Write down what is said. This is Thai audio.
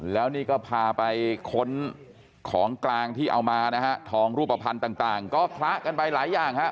แล้วนี่ก็พาไปค้นของกลางที่เอามานะฮะทองรูปภัณฑ์ต่างก็คละกันไปหลายอย่างฮะ